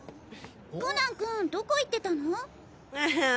コナン君どこ行ってたの？